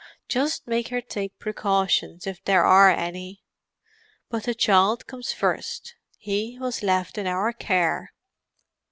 "Just make her take precautions, if there are any; but the child comes first—he was left in our care."